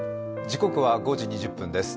時刻は５時２０分です。